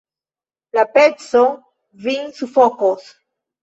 La peco vin sufokos!